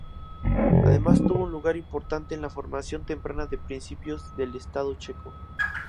Además tuvo un lugar importante en la formación temprana de principios del estado checo.